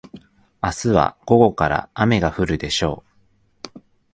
明日は午後から雨が降るでしょう。